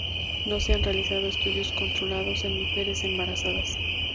No se han realizado estudios controlados en mujeres embarazadas.